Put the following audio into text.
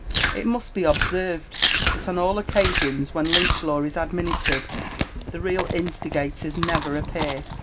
It must be observed, that ofi all occasions when Lynch law Is admi nistered, the real instigators never appear.